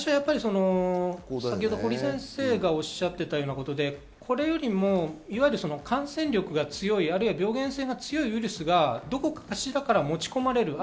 堀先生がおっしゃっていたことで、これよりも感染力が強い、病原性が強いウイルスがどこかしらから持ち込まれる。